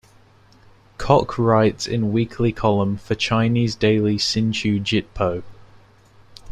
Kok writes in weekly column for Chinese daily Sin Chew Jit Poh.